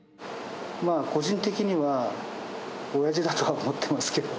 個人的にはおやじだとは思ってますけど。